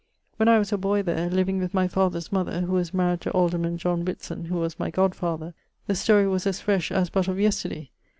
When I was a boy there, living with my father's mother, who was maried to alderman John Whitson[LXXXVI.] (who was my god father), the story was as fresh as but of yesterday.